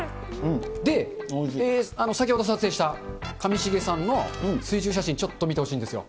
で、先ほど撮影した、上重さんの水中写真、ちょっと見てほしいんですよ。